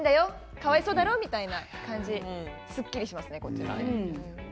かわいそうだろうみたいな感じすっきりしますね。